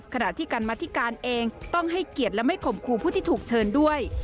ขณะที่กรรมธิการเองต้องให้เกียรติและไม่ข่มขู่ผู้ที่ถูกเชิญด้วย